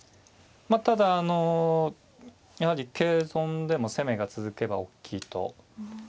まあただあのやはり桂損でも攻めが続けば大きいと。